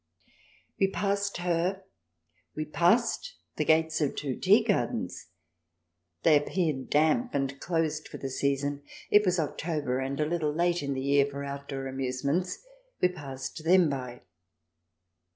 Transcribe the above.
We passed her, we passed the gates of two tea gardens. They appeared damp and closed for the season ; it was October, and a little late in the year for outdoor amusements. We passed them by.